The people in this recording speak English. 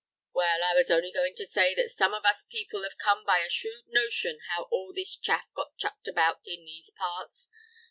Well, I was only going to say that some of us people have come by a shrewd notion how all this chaff got chucked about in these parts.